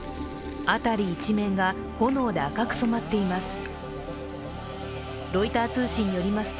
辺り一面が炎で赤く染まっています。